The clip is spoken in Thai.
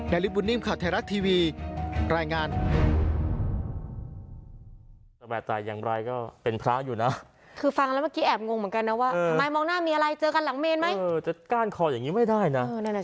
ในลิฟต์บุญนิ่มขาวไทยรักทีวีรายงาน